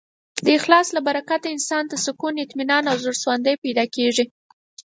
د اخلاص له برکته انسان ته سکون، اطمینان او زړهسواندی پیدا کېږي.